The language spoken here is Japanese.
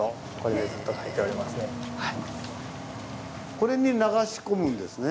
これに流し込むんですね。